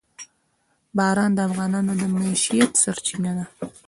باران د افغانانو د معیشت سرچینه ده.